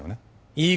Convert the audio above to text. いい